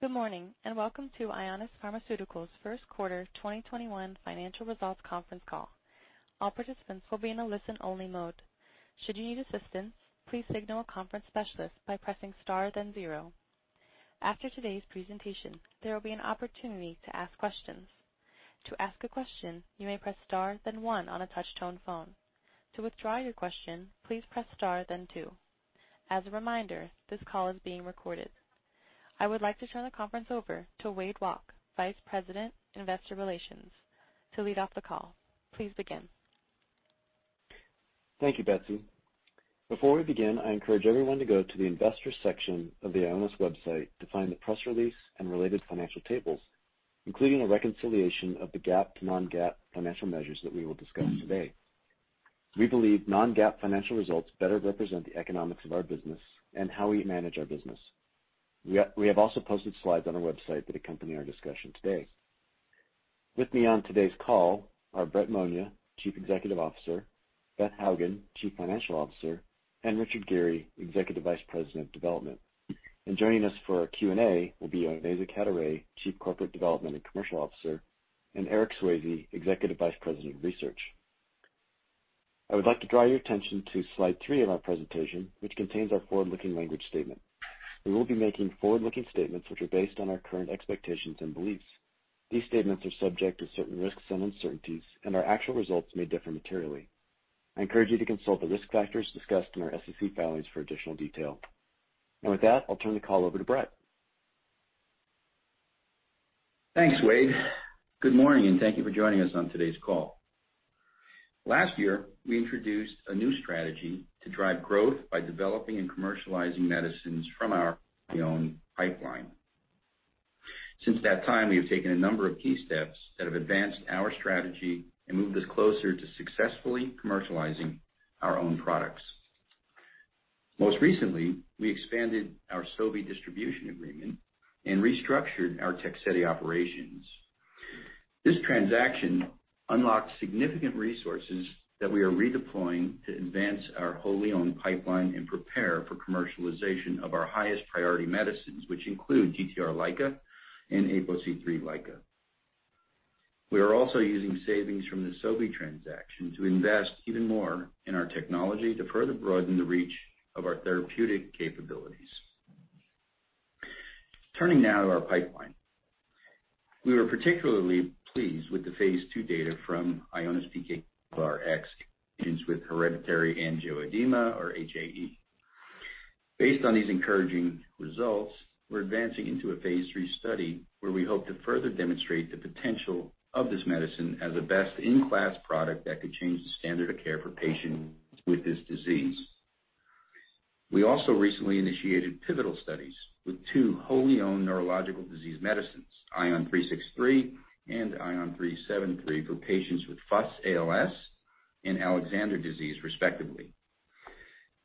Good morning, and welcome to Ionis Pharmaceuticals' first quarter 2021 financial results conference call. I would like to turn the conference over to Wade Walke, Vice President, Investor Relations, to lead off the call. Please begin. Thank you, Betsy. Before we begin, I encourage everyone to go to the investors section of the Ionis website to find the press release and related financial tables, including a reconciliation of the GAAP to non-GAAP financial measures that we will discuss today. We believe non-GAAP financial results better represent the economics of our business and how we manage our business. We have also posted slides on our website that accompany our discussion today. With me on today's call are Brett Monia, Chief Executive Officer, Beth Hougen, Chief Financial Officer, and Richard Geary, Executive Vice President of Development. Joining us for our Q&A will be Onaiza Cadoret, Chief Corporate Development and Commercial Officer, and Eric Swayze, Executive Vice President of Research. I would like to draw your attention to slide three of our presentation, which contains our forward-looking language statement. We will be making forward-looking statements, which are based on our current expectations and beliefs. These statements are subject to certain risks and uncertainties, and our actual results may differ materially. I encourage you to consult the risk factors discussed in our SEC filings for additional detail. With that, I'll turn the call over to Brett. Thanks, Wade. Good morning, and thank you for joining us on today's call. Last year, we introduced a new strategy to drive growth by developing and commercializing medicines from our wholly owned pipeline. Since that time, we have taken a number of key steps that have advanced our strategy and moved us closer to successfully commercializing our own products. Most recently, we expanded our Sobi distribution agreement and restructured our TEGSEDI operations. This transaction unlocks significant resources that we are redeploying to advance our wholly owned pipeline and prepare for commercialization of our highest priority medicines, which include TTR LICA and APOCIII LICA. We are also using savings from the Sobi transaction to invest even more in our technology to further broaden the reach of our therapeutic capabilities. Turning now to our pipeline. We were particularly pleased with the phase II data from IONIS-PKK-LRx in patients with hereditary angioedema or HAE. Based on these encouraging results, we're advancing into a phase III study where we hope to further demonstrate the potential of this medicine as a best-in-class product that could change the standard of care for patients with this disease. We also recently initiated pivotal studies with two wholly owned neurological disease medicines, ION363 and ION373 for patients with FUS-ALS and Alexander disease, respectively.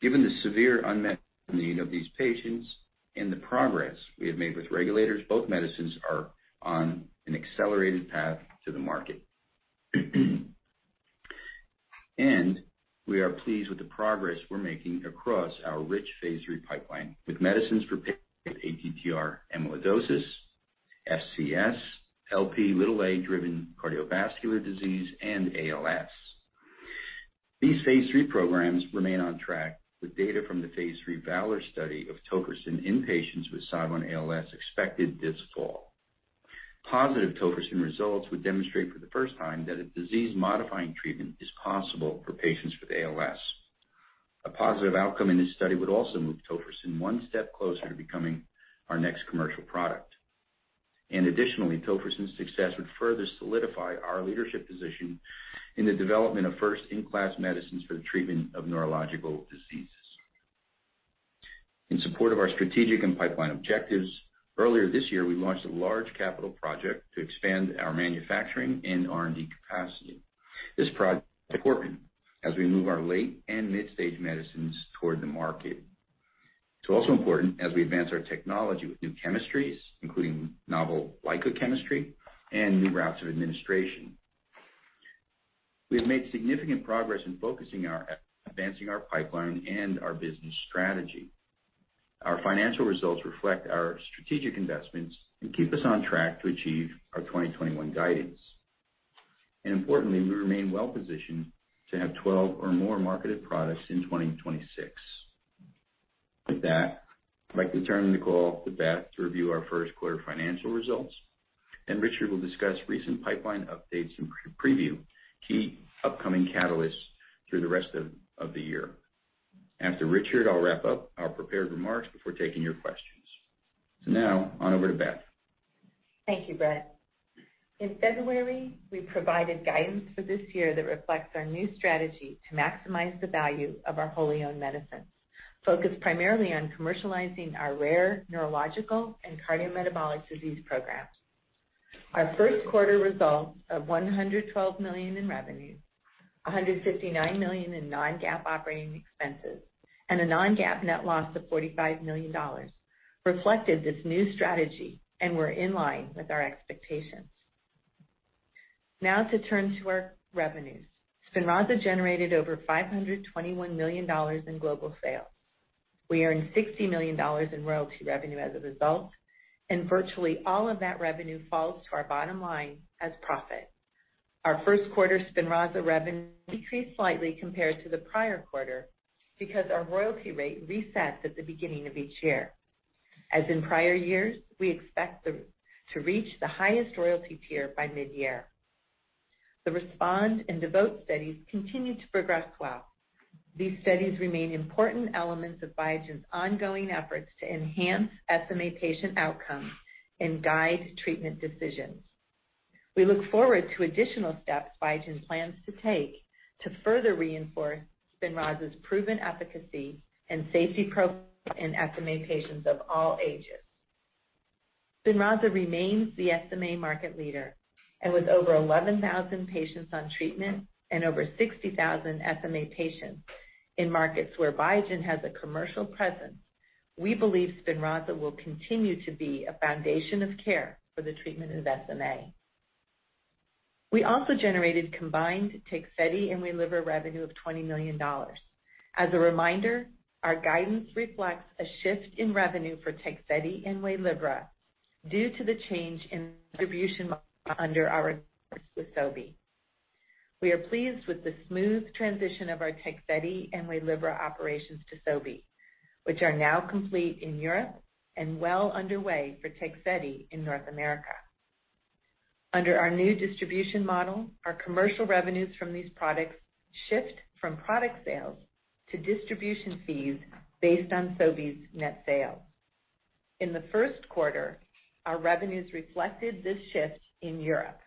Given the severe unmet need of these patients and the progress we have made with regulators, both medicines are on an accelerated path to the market. We are pleased with the progress we're making across our rich phase III pipeline with medicines for patients with ATTR amyloidosis, FCS, Lp(a)-driven cardiovascular disease, and ALS. These phase III programs remain on track with data from the phase III VALOR study of tofersen in patients with ALS expected this fall. Positive tofersen results would demonstrate for the first time that a disease-modifying treatment is possible for patients with ALS. A positive outcome in this study would also move tofersen one step closer to becoming our next commercial product. Additionally, tofersen's success would further solidify our leadership position in the development of first-in-class medicines for the treatment of neurological diseases. In support of our strategic and pipeline objectives, earlier this year, we launched a large capital project to expand our manufacturing and R&D capacity. This project is important as we move our late and mid-stage medicines toward the market. It's also important as we advance our technology with new chemistries, including novel LICA chemistry and new routes of administration. We have made significant progress in focusing on advancing our pipeline and our business strategy. Our financial results reflect our strategic investments and keep us on track to achieve our 2021 guidance. Importantly, we remain well positioned to have 12 or more marketed products in 2026. With that, I'd like to turn the call to Beth to review our first quarter financial results, and Richard will discuss recent pipeline updates and preview key upcoming catalysts through the rest of the year. After Richard, I'll wrap up our prepared remarks before taking your questions. Now, on over to Beth. Thank you, Brett. In February, we provided guidance for this year that reflects our new strategy to maximize the value of our wholly owned medicines, focused primarily on commercializing our rare neurological and cardiometabolic disease programs. Our first quarter results of $112 million in revenue, $159 million in non-GAAP operating expenses, and a non-GAAP net loss of $45 million reflected this new strategy and were in line with our expectations. Now to turn to our revenues. SPINRAZA generated over $521 million in global sales. We earned $60 million in royalty revenue as a result, and virtually all of that revenue falls to our bottom line as profit. Our first quarter SPINRAZA revenue decreased slightly compared to the prior quarter because our royalty rate resets at the beginning of each year. As in prior years, we expect to reach the highest royalty tier by mid-year. The RESPOND and DEVOTE studies continue to progress well. These studies remain important elements of Biogen's ongoing efforts to enhance SMA patient outcomes and guide treatment decisions. We look forward to additional steps Biogen Plans to take to further reinforce SPINRAZA's proven efficacy and safety profile in SMA patients of all ages. SPINRAZA remains the SMA market leader. With over 11,000 patients on treatment and over 60,000 SMA patients in markets where Biogen has a commercial presence, we believe SPINRAZA will continue to be a foundation of care for the treatment of SMA. We also generated combined TEGSEDI and WAYLIVRA revenue of $20 million. As a reminder, our guidance reflects a shift in revenue for TEGSEDI and WAYLIVRA due to the change in distribution under our with Sobi. We are pleased with the smooth transition of our TEGSEDI and WAYLIVRA operations to Sobi, which are now complete in Europe and well underway for TEGSEDI in North America. Under our new distribution model, our commercial revenues from these products shift from product sales to distribution fees based on Sobi's net sales. In the first quarter, our revenues reflected this shift in Europe.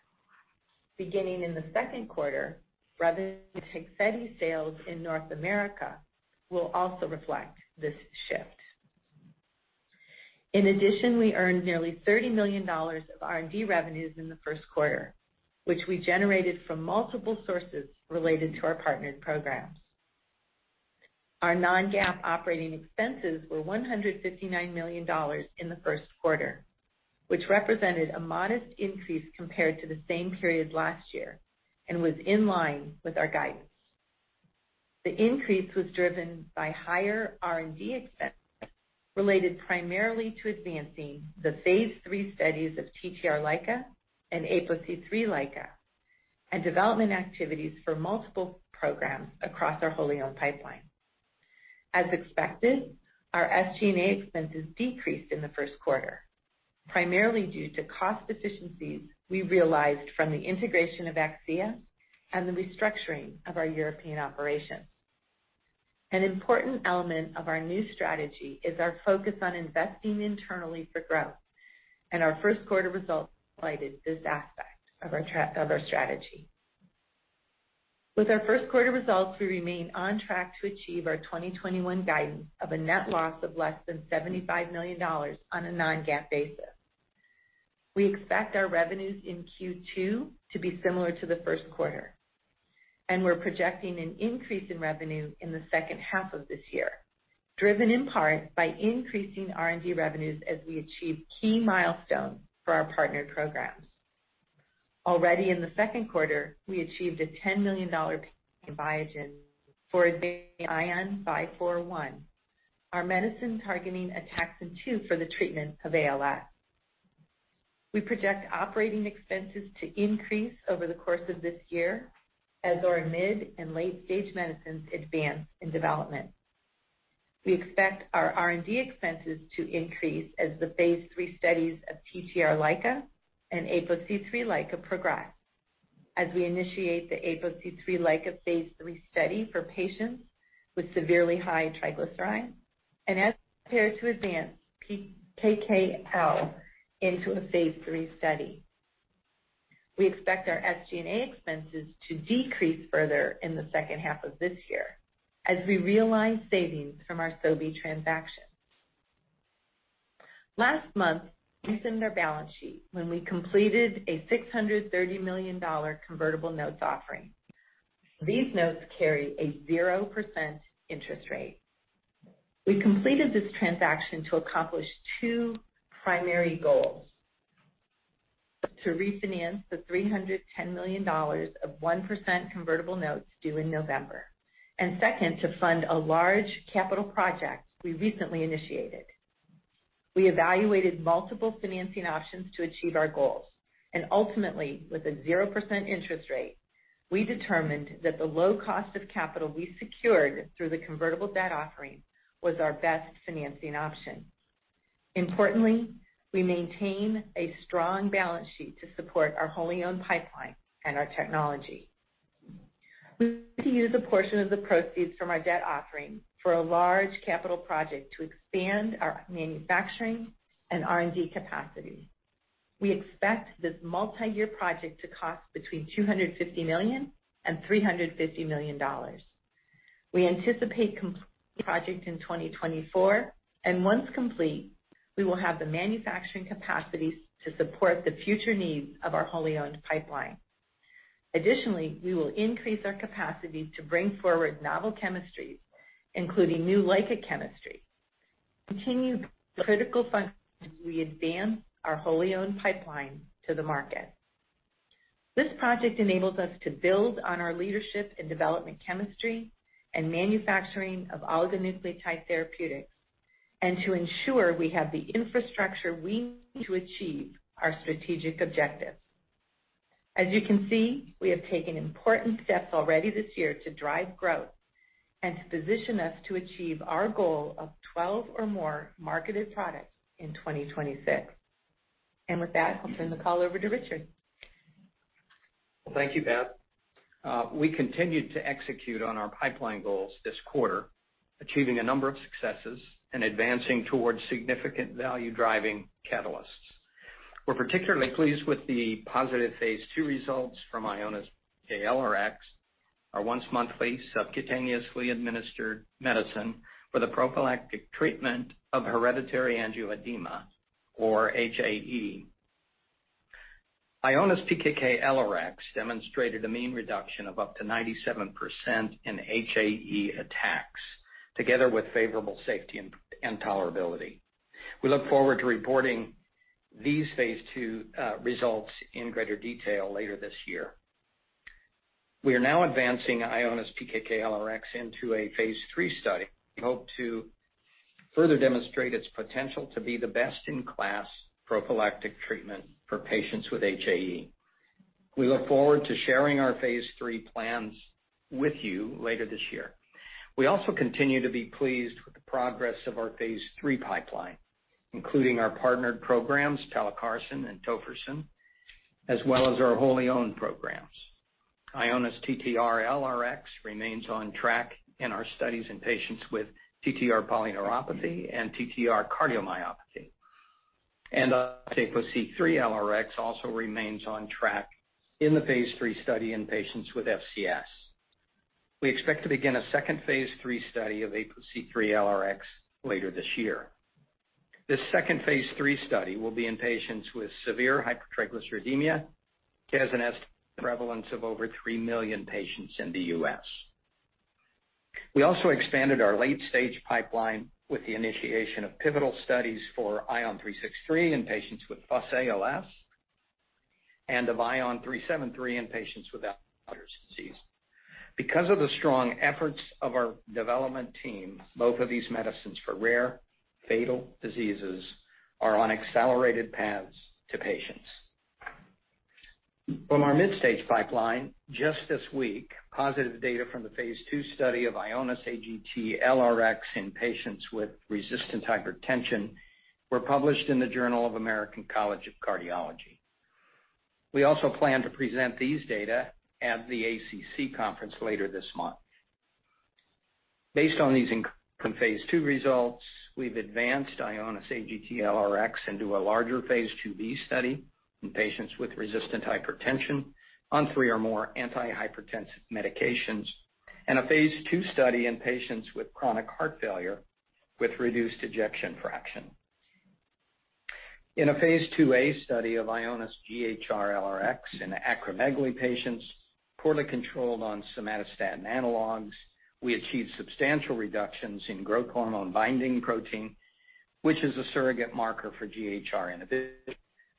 Beginning in the second quarter, revenue TEGSEDI sales in North America will also reflect this shift. In addition, we earned nearly $30 million of R&D revenues in the first quarter, which we generated from multiple sources related to our partnered programs. Our non-GAAP operating expenses were $159 million in the first quarter, which represented a modest increase compared to the same period last year and was in line with our guidance. The increase was driven by higher R&D expenses related primarily to advancing the phase III studies of TTR LICA and APOCIII-LICA and development activities for multiple programs across our wholly-owned pipeline. As expected, our SG&A expenses decreased in the first quarter, primarily due to cost efficiencies we realized from the integration of Akcea and the restructuring of our European operations. An important element of our new strategy is our focus on investing internally for growth, our first quarter results highlighted this aspect of our strategy. With our first quarter results, we remain on track to achieve our 2021 guidance of a net loss of less than $75 million on a non-GAAP basis. We expect our revenues in Q2 to be similar to the first quarter, we're projecting an increase in revenue in the second half of this year, driven in part by increasing R&D revenues as we achieve key milestones for our partnered programs. Already in the second quarter, we achieved a $10 million Biogen for ION541, our medicine targeting ataxin-2 for the treatment of ALS. We project operating expenses to increase over the course of this year as our mid and late-stage medicines advance in development. We expect our R&D expenses to increase as the phase III studies of TTR LICA and APOCIII-LRx progress. As we initiate the APOCIII-LRx phase III study for patients with severely high triglycerides, and as we prepare to advance PKK into a phase III study. We expect our SG&A expenses to decrease further in the second half of this year as we realize savings from our Sobi transaction. Last month, we strengthened our balance sheet when we completed a $630 million convertible notes offering. These notes carry a 0% interest rate. We completed this transaction to accomplish two primary goals. To refinance the $310 million of 1% convertible notes due in November. Second, to fund a large capital project we recently initiated. We evaluated multiple financing options to achieve our goals. Ultimately, with a 0% interest rate, we determined that the low cost of capital we secured through the convertible debt offering was our best financing option. Importantly, we maintain a strong balance sheet to support our wholly owned pipeline and our technology. We plan to use a portion of the proceeds from our debt offering for a large capital project to expand our manufacturing and R&D capacity. We expect this multi-year project to cost between $250 million and $350 million. We anticipate completing the project in 2024. Once complete, we will have the manufacturing capacity to support the future needs of our wholly owned pipeline. Additionally, we will increase our capacity to bring forward novel chemistries, including new LICA chemistry to continue critical functions as we advance our wholly owned pipeline to the market. This project enables us to build on our leadership in development chemistry and manufacturing of oligonucleotide therapeutics, and to ensure we have the infrastructure we need to achieve our strategic objectives. As you can see, we have taken important steps already this year to drive growth and to position us to achieve our goal of 12 or more marketed products in 2026. With that, I'll turn the call over to Richard. Well, thank you, Beth. We continued to execute on our pipeline goals this quarter, achieving a number of successes and advancing towards significant value-driving catalysts. We're particularly pleased with the positive phase II results from IONIS-PKK-LRx, our once-monthly subcutaneously administered medicine for the prophylactic treatment of hereditary angioedema, or HAE. IONIS-PKK-LRx demonstrated a mean reduction of up to 97% in HAE attacks, together with favorable safety and tolerability. We look forward to reporting these phase II results in greater detail later this year. We are now advancing IONIS-PKK-LRx into a phase III study. We hope to further demonstrate its potential to be the best-in-class prophylactic treatment for patients with HAE. We look forward to sharing our phase III plans with you later this year. We also continue to be pleased with the progress of our phase III pipeline, including our partnered programs, pelacarsen and tofersen, as well as our wholly owned programs. IONIS-TTR-LRx remains on track in our studies in patients with TTR polyneuropathy and TTR cardiomyopathy. APOCIII-LRx also remains on track in the phase III study in patients with FCS. We expect to begin a second phase III study of APOCIII-LRx later this year. This second phase III study will be in patients with severe hypertriglyceridemia, which has an estimated prevalence of over 3 million patients in the U.S. We also expanded our late-stage pipeline with the initiation of pivotal studies for ION363 in patients with FUS-ALS and of ION373 in patients with Alexander disease. Because of the strong efforts of our development team, both of these medicines for rare fatal diseases are on accelerated paths to patients. From our mid-stage pipeline, just this week, positive data from the phase II study of IONIS-AGT-LRx in patients with resistant hypertension were published in the Journal of the American College of Cardiology. We also plan to present these data at the ACC conference later this month. Based on these encouraging Phase II results, we've advanced IONIS-AGT-LRx into a larger phase II-B study in patients with resistant hypertension on three or more antihypertensive medications and a phase II study in patients with chronic heart failure with reduced ejection fraction. In a phase II-A study of IONIS-GHR-LRx in acromegaly patients poorly controlled on somatostatin analogs, we achieved substantial reductions in growth hormone binding protein, which is a surrogate marker for GHR inhibition,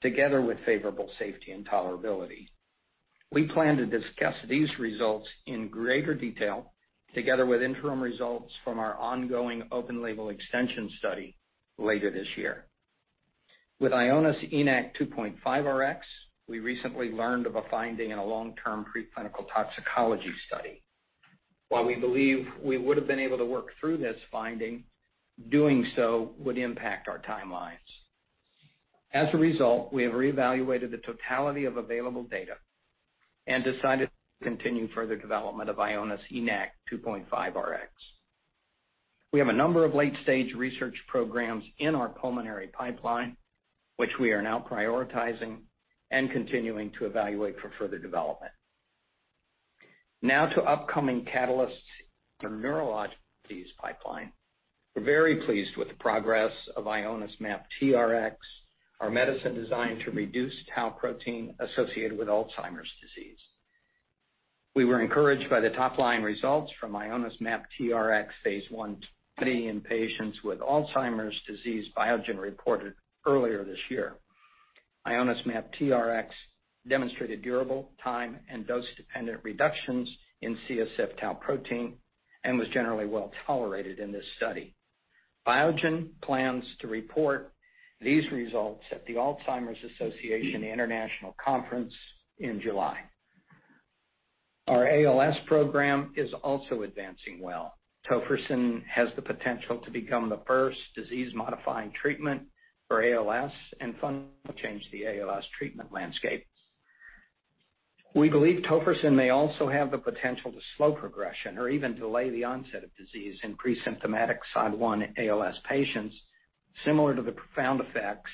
together with favorable safety and tolerability. We plan to discuss these results in greater detail together with interim results from our ongoing open label extension study later this year. With IONIS-ENAC-2.5 Rx, we recently learned of a finding in a long-term preclinical toxicology study. While we believe we would've been able to work through this finding, doing so would impact our timelines. As a result, we have reevaluated the totality of available data and decided to discontinue further development of IONIS-ENAC-2.5 Rx. We have a number of late-stage research programs in our pulmonary pipeline, which we are now prioritizing and continuing to evaluate for further development. Now to upcoming catalysts for neurologic disease pipeline. We're very pleased with the progress of IONIS-MAPTRx, our medicine designed to reduce tau protein associated with Alzheimer's disease. We were encouraged by the top-line results from IONIS-MAPTRx phase I study in patients with Alzheimer's disease Biogen reported earlier this year. IONIS-MAPTRx demonstrated durable time and dose-dependent reductions in CSF tau protein and was generally well-tolerated in this study. Biogen Plans to report these results at the Alzheimer's Association International Conference in July. Our ALS program is also advancing well. tofersen has the potential to become the first disease-modifying treatment for ALS and fundamentally change the ALS treatment landscape. We believe tofersen may also have the potential to slow progression or even delay the onset of disease in pre-symptomatic SOD1-ALS patients, similar to the profound effects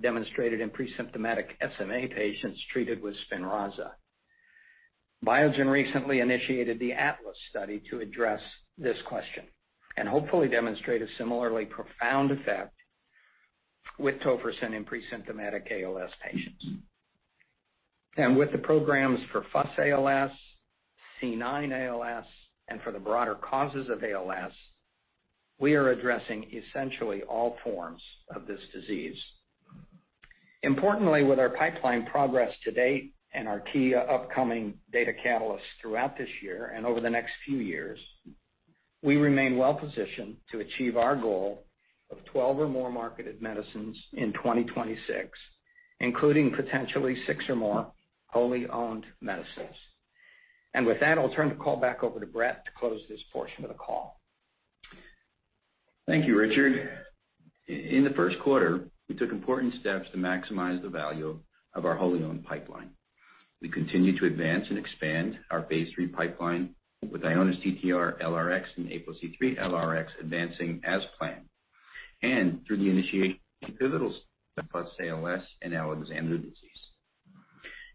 demonstrated in pre-symptomatic SMA patients treated with SPINRAZA. Biogen recently initiated the ATLAS study to address this question and hopefully demonstrate a similarly profound effect with tofersen in pre-symptomatic ALS patients. With the programs for FUS-ALS, C9-ALS, and for the broader causes of ALS, we are addressing essentially all forms of this disease. Importantly, with our pipeline progress to date and our key upcoming data catalysts throughout this year and over the next few years, we remain well-positioned to achieve our goal of 12 or more marketed medicines in 2026, including potentially six or more wholly owned medicines. With that, I'll turn the call back over to Brett to close this portion of the call. Thank you, Richard. In the first quarter, we took important steps to maximize the value of our wholly-owned pipeline. We continue to advance and expand our phase III pipeline with IONIS-TTR-LRx and APOCIII-LRx advancing as planned, and through the initiation of pivotals of FUS-ALS and Alexander disease.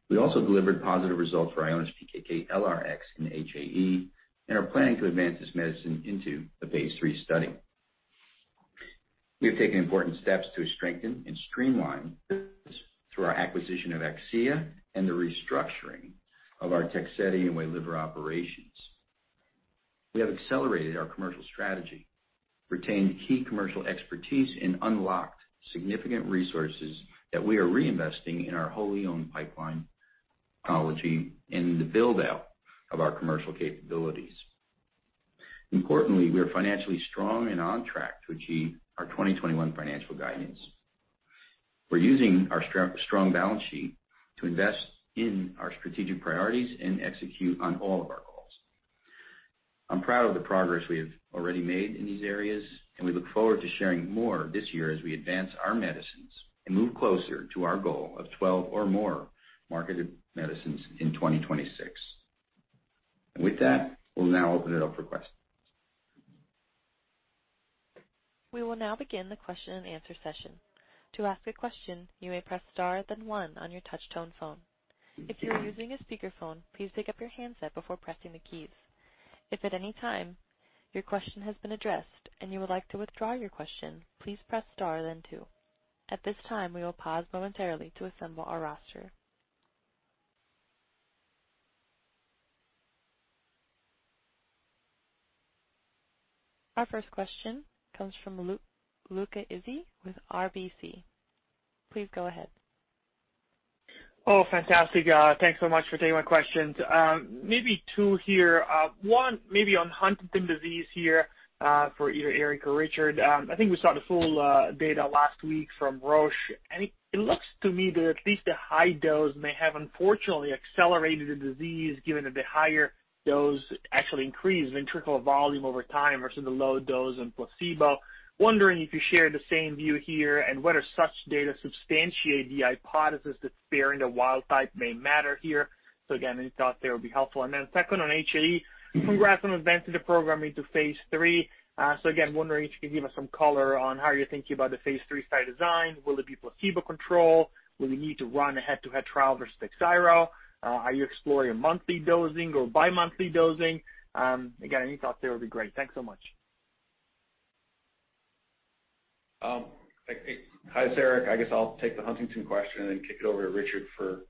We also delivered positive results for IONIS-PKK-LRx in HAE and are planning to advance this medicine into a phase III study. We have taken important steps to strengthen and streamline through our acquisition of Akcea and the restructuring of our TEGSEDI and WAYLIVRA operations. We have accelerated our commercial strategy, retained key commercial expertise, and unlocked significant resources that we are reinvesting in our wholly owned pipeline technology and the build-out of our commercial capabilities. Importantly, we are financially strong and on track to achieve our 2021 financial guidance. We're using our strong balance sheet to invest in our strategic priorities and execute on all of our goals. I'm proud of the progress we have already made in these areas, and we look forward to sharing more this year as we advance our medicines and move closer to our goal of 12 or more marketed medicines in 2026. With that, we'll now open it up for questions. Our first question comes from Luca Issi with RBC. Please go ahead. Fantastic. Thanks so much for taking my questions. Two here. One, on Huntington's disease here, for either Eric or Richard. I think we saw the full data last week from Roche. It looks to me that at least the high dose may have unfortunately accelerated the disease, given that the higher dose actually increased ventricular volume over time versus the low dose and placebo. Wondering if you share the same view here, whether such data substantiate the hypothesis that sparing the wild type may matter here. Again, any thoughts there would be helpful. Second, on HAE. Congrats on advancing the program into phase III. Again, wondering if you can give us some color on how you're thinking about the phase III study design. Will it be placebo-controlled? Will you need to run a head-to-head trial versus TAKHZYRO? Are you exploring monthly dosing or bi-monthly dosing? Again, any thoughts there would be great. Thanks so much. Hi, this is Eric. I guess I'll take the Huntington question and then kick it over to Richard for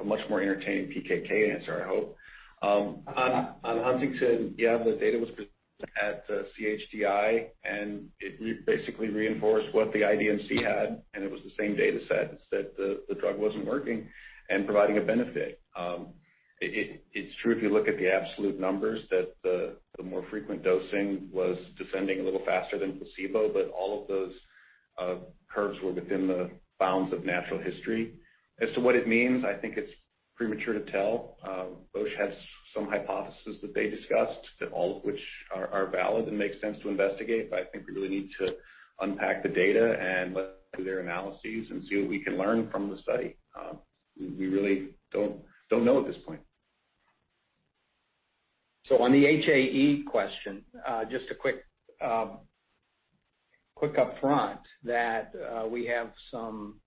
a much more entertaining PKK answer, I hope. On Huntington, yeah, the data was presented at the CHDI, and it basically reinforced what the IDMC had, and it was the same data set that said the drug wasn't working and providing a benefit. It's true if you look at the absolute numbers that the more frequent dosing was descending a little faster than placebo, all of those curves were within the bounds of natural history. As to what it means, I think it's premature to tell. Roche has some hypotheses that they discussed, all of which are valid and make sense to investigate. I think we really need to unpack the data and look through their analyses and see what we can learn from the study. We really don't know at this point. On the HAE question, just a quick upfront that we have some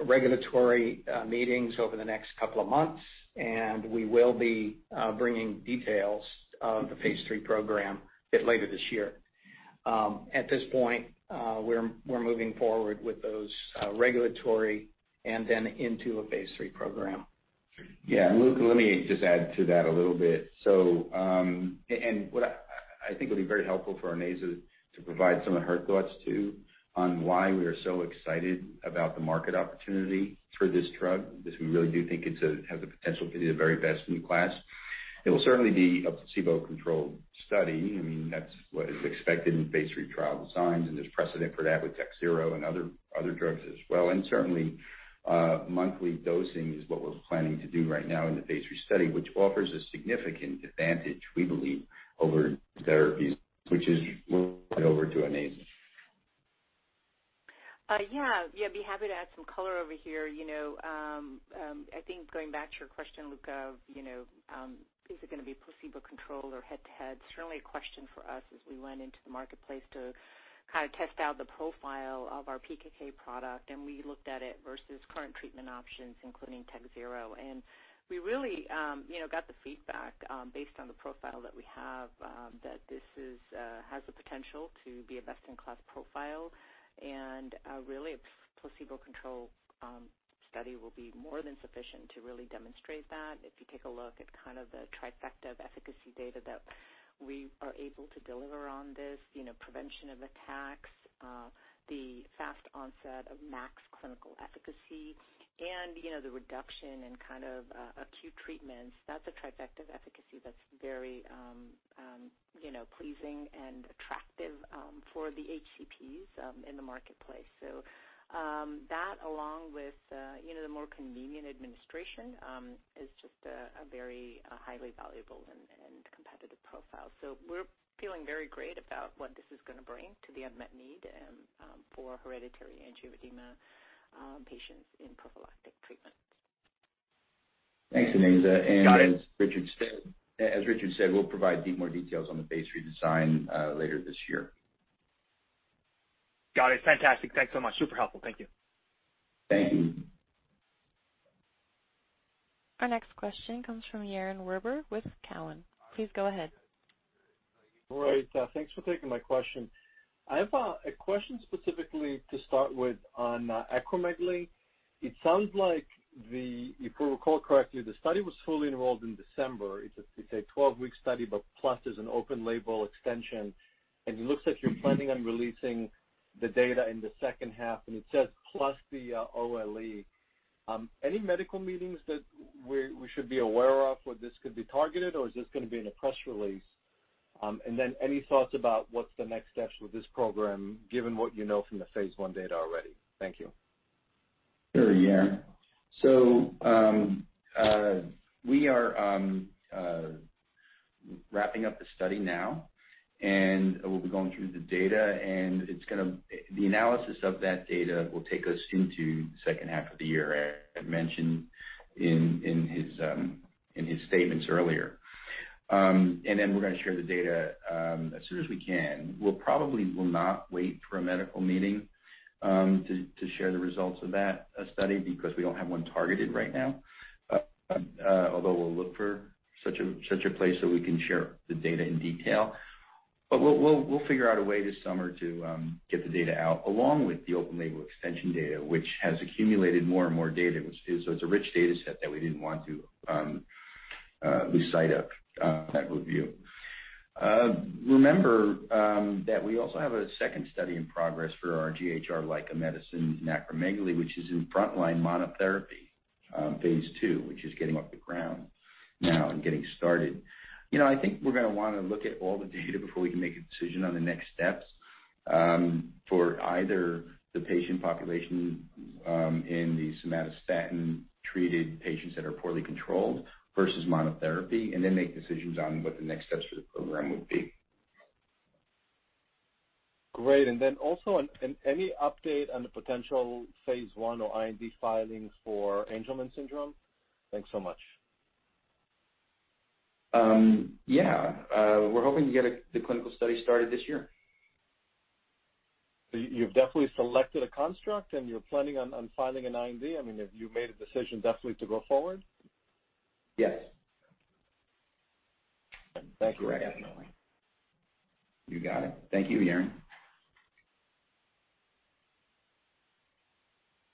regulatory meetings over the next couple of months, and we will be bringing details of the phase III program a bit later this year. At this point, we're moving forward with those regulatory and then into a phase III program. Yeah, Luca, let me just add to that a little bit. What I think will be very helpful for Onaiza is to provide some of her thoughts, too, on why we are so excited about the market opportunity for this drug, because we really do think it has the potential to be the very best in class. It will certainly be a placebo-controlled study. That's what is expected in phase III trial designs, and there's precedent for that with TAKHZYRO and other drugs as well. Certainly, monthly dosing is what we're planning to do right now in the phase III study, which offers a significant advantage, we believe, over therapies, which is over to Onaiza. Yeah. I'd be happy to add some color over here. I think going back to your question, Luca, of is it going to be placebo-controlled or head-to-head? Certainly a question for us as we went into the marketplace to test out the profile of our PKK product, and we looked at it versus current treatment options, including TAKHZYRO. We really got the feedback, based on the profile that we have, that this has the potential to be a best-in-class profile. Really, a placebo control study will be more than sufficient to really demonstrate that. If you take a look at kind of the trifecta of efficacy data that we are able to deliver on this, prevention of attacks, the fast onset of max clinical efficacy, and the reduction in acute treatments. That's a trifecta of efficacy that's very pleasing and attractive for the HCPs in the marketplace. That along with the more convenient administration is just a very highly valuable and competitive profile. We're feeling very great about what this is going to bring to the unmet need for hereditary angioedema patients in prophylactic treatments. Thanks, Onaiza. Got it. As Richard said, we'll provide more details on the phase redesign later this year. Got it. Fantastic. Thanks so much. Super helpful. Thank you. Thank you. Our next question comes from Yaron Werber with Cowen. Please go ahead. Right. Thanks for taking my question. I have a question specifically to start with on acromegaly. It sounds like, if we recall correctly, the study was fully enrolled in December. It's a 12-week study. Plus there's an open label extension, and it looks like you're planning on releasing the data in the second half, and it says plus the OLE. Any medical meetings that we should be aware of where this could be targeted? Is this going to be in a press release? Any thoughts about what's the next steps with this program, given what you know from the phase I data already? Thank you. Sure, Yaron. We are wrapping up the study now, and we'll be going through the data, and the analysis of that data will take us into the second half of the year, as mentioned in his statements earlier. We're going to share the data as soon as we can. We probably will not wait for a medical meeting to share the results of that study because we don't have one targeted right now. Although we'll look for such a place so we can share the data in detail. We'll figure out a way this summer to get the data out, along with the open label extension data, which has accumulated more and more data. It's a rich data set that we didn't want to lose sight of at review. Remember that we also have a second study in progress for our GHR-like medicine in acromegaly, which is in frontline monotherapy, phase II, which is getting off the ground now and getting started. I think we're going to want to look at all the data before we can make a decision on the next steps for either the patient population in the somatostatin-treated patients that are poorly controlled versus monotherapy, and then make decisions on what the next steps for the program would be. Great. Also, any update on the potential phase I or IND filings for Angelman syndrome? Thanks so much. Yeah. We're hoping to get the clinical study started this year. You've definitely selected a construct, and you're planning on filing an IND? I mean, have you made a decision definitely to go forward? Yes. Thank you. Correct. Definitely. You got it. Thank you, Yaron.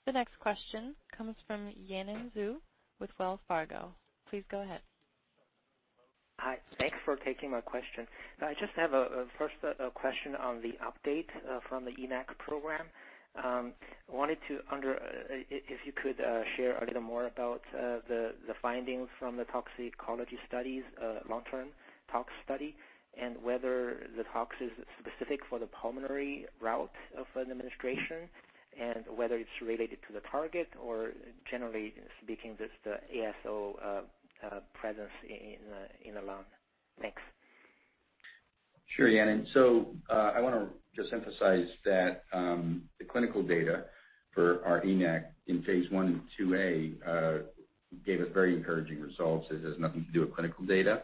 The next question comes from Yanan Zhu with Wells Fargo. Please go ahead. Hi. Thanks for taking my question. I just have a first question on the update from the ENaC program. If you could share a little more about the findings from the toxicology studies, long-term tox study, and whether the tox is specific for the pulmonary route of administration and whether it's related to the target or generally speaking, just the ASO presence in the lung. Thanks. Sure, Yanan. I want to just emphasize that the clinical data for our ENaC in phase I and II-A gave us very encouraging results. It has nothing to do with clinical data.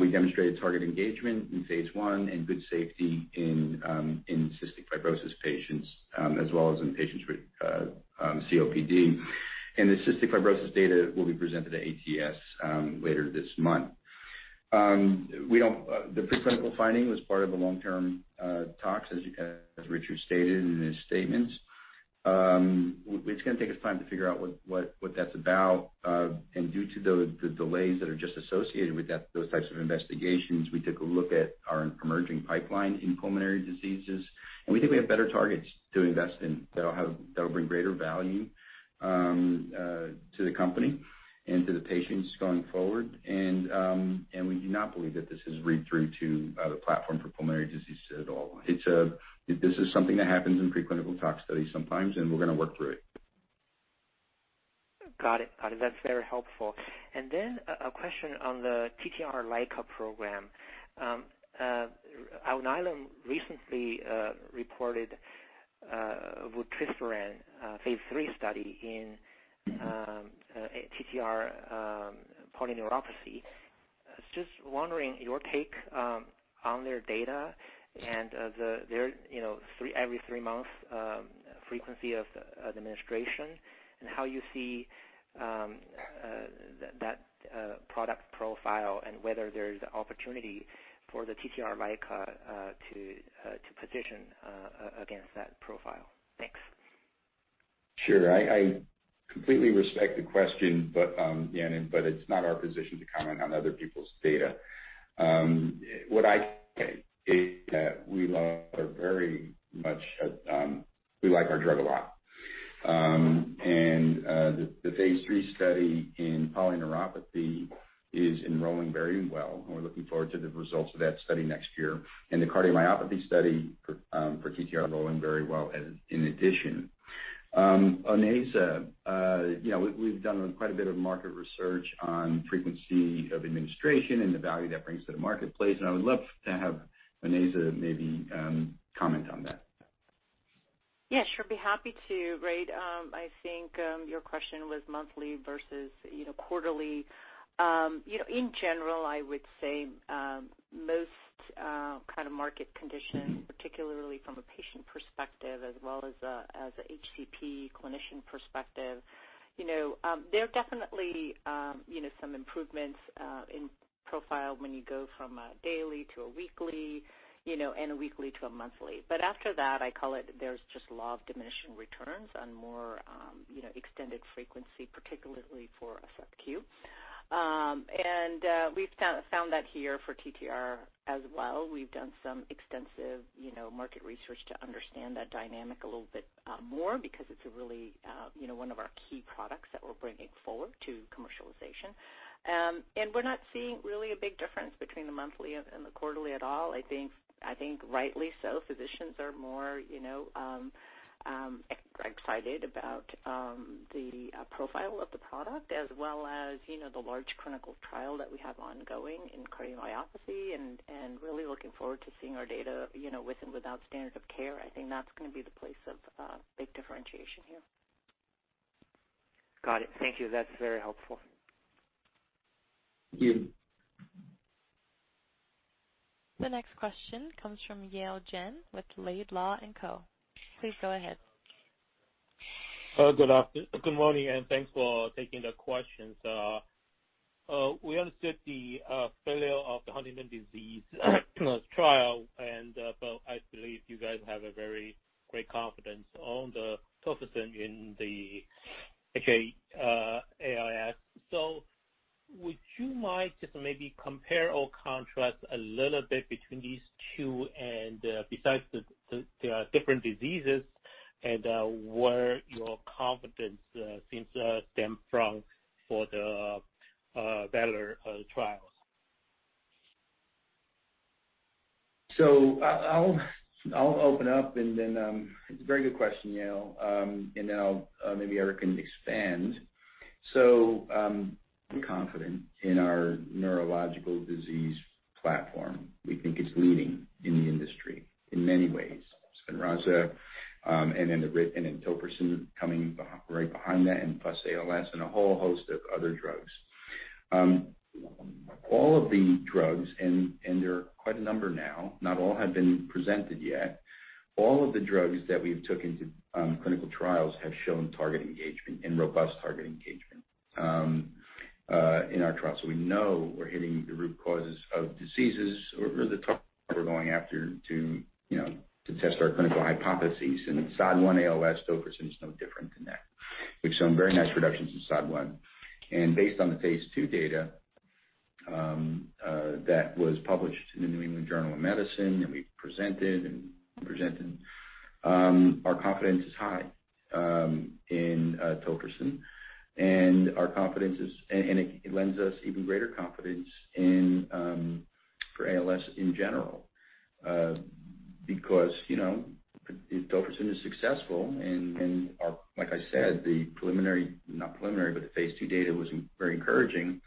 We demonstrated target engagement in phase I and good safety in cystic fibrosis patients, as well as in patients with COPD. The cystic fibrosis data will be presented at ATS later this month. The preclinical finding was part of the long-term tox, as Richard stated in his statements. It's going to take us time to figure out what that's about. Due to the delays that are just associated with those types of investigations, we took a look at our emerging pipeline in pulmonary diseases, and we think we have better targets to invest in that'll bring greater value to the company and to the patients going forward. We do not believe that this is read through to the platform for pulmonary disease at all. This is something that happens in preclinical tox studies sometimes. We're going to work through it. Got it. That's very helpful. A question on the TTR LICA program. Alnylam recently reported vutrisiran phase III study in TTR polyneuropathy. Just wondering your take on their data and their every three month frequency of administration, and how you see that product profile and whether there's opportunity for the TTR LICA to position against that profile. Thanks. I completely respect the question, it's not our position to comment on other people's data. What I can say is that we like our drug a lot. The phase III study in polyneuropathy is enrolling very well. We're looking forward to the results of that study next year. The cardiomyopathy study for TTR is rolling very well, in addition. Onaiza, we've done quite a bit of market research on frequency of administration and the value that brings to the marketplace, and I would love to have Onaiza maybe comment on that. Yeah, sure. Be happy to. Great. I think your question was monthly versus quarterly. In general, I would say most kind of market conditions, particularly from a patient perspective as well as a HCP clinician perspective, there are definitely some improvements in profile when you go from a daily to a weekly, and a weekly to a monthly. After that, I call it there's just law of diminishing returns on more extended frequency, particularly for a sub-Q. We've found that here for TTR as well. We've done some extensive market research to understand that dynamic a little bit more because it's really one of our key products that we're bringing forward to commercialization. We're not seeing really a big difference between the monthly and the quarterly at all. I think rightly so, physicians are more excited about the profile of the product, as well as the large clinical trial that we have ongoing in cardiomyopathy, and really looking forward to seeing our data with and without standard of care. I think that's going to be the place of big differentiation here. Got it. Thank you. That's very helpful. Thank you. The next question comes from Yale Jen with Laidlaw & Co. Please go ahead. Good morning, and thanks for taking the questions. We understood the failure of the Huntington's disease trial, but I believe you guys have a very great confidence on the tofersen in the ALS. Would you mind just maybe compare or contrast a little bit between these two, and besides the different diseases and where your confidence seems to stem from for the VALOR trials? I'll open up. It's a very good question, Yale, and then maybe Eric can expand. We're confident in our neurological disease platform. We think it's leading in the industry in many ways. SPINRAZA, and then tofersen coming right behind that, and plus ALS and a whole host of other drugs. All of the drugs, and there are quite a number now, not all have been presented yet. All of the drugs that we've took into clinical trials have shown target engagement and robust target engagement in our trials. We know we're hitting the root causes of diseases or the target we're going after to test our clinical hypotheses. In SOD1-ALS, tofersen is no different than that. We've shown very nice reductions in SOD1. Based on the phase II data that was published in the New England Journal of Medicine, and we've presented, our confidence is high in tofersen. It lends us even greater confidence for ALS in general. Because if tofersen is successful, like I said, the phase II data was very encouraging.